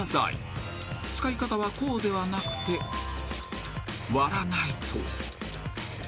［使い方はこうではなくて割らないと］